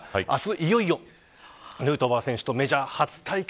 いよいよヌートバー選手とメジャー初対決。